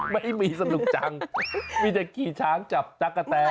ไม่มีสนุกจังมีแต่กี่ช้างจับจั๊กกะแต